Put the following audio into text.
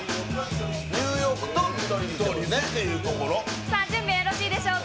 ニューヨークと見取り図というとさあ、準備はよろしいでしょうか。